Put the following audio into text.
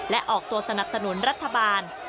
และออกตัวสนับสนุนรัฐบาล